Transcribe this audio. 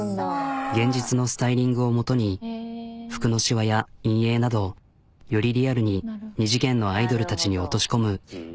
現実のスタイリングを基に服のしわや陰影などよりリアルに２次元のアイドルたちに落とし込む。